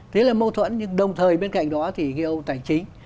thế là mâu thuẫn nhưng đồng thời bên cạnh đó thì ông tài chính